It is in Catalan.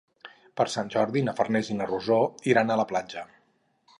Per Sant Jordi na Farners i na Rosó iran a la platja.